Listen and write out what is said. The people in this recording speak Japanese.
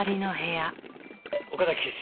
岡崎警視。